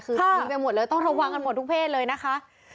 คือมีไปหมดเลยต้องระวังกันหมดทุกเพศเลยนะคะ